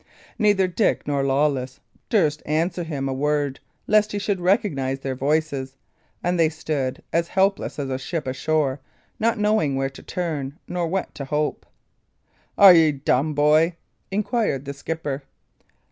Neither Dick nor Lawless durst answer him a word, lest he should recognise their voices; and they stood there as helpless as a ship ashore, not knowing where to turn nor what to hope. "Are ye dumb, boy?" inquired the skipper.